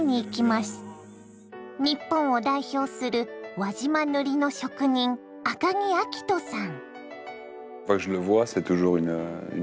日本を代表する輪島塗の職人赤木明登さん。